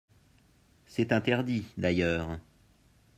C’est interdit, d’ailleurs